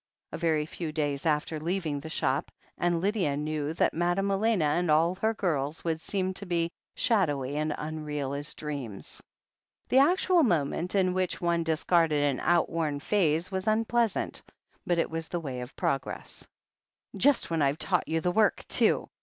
A very few days after leaving the shop, and Lydia knew that Madame Elena and all her girls would seem to be shadowy and unreal as dreams. The actual moment in which one discarded an out worn phase was unpleasant, but it was the way of progress. THE HEEL OF ACHILLES 253 "Just when I've taught you the work, too!''